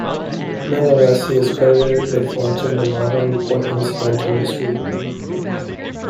Nonetheless, he is credited with launching the "modern" Portland cement industry.